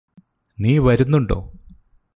നീ വരുന്നുണ്ടോ?